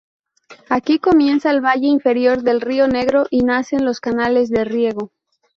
Aquí comienza el valle inferior del río Negro y nacen los canales de riego.